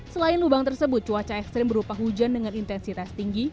selain lubang tersebut cuaca ekstrim berupa hujan dengan intensitas tinggi